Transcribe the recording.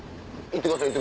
行ってください。